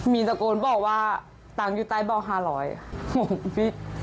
มีตะโกนบอกว่าตังค์อยู่ใต้บ่อ๕๐๐